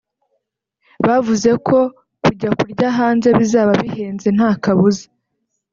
Bavuze ko kujya kurya hanze bizaba bihenze nta kabuza